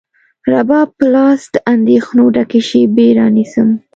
رباب په لاس، د اندېښنو ډکې شیبې رانیسم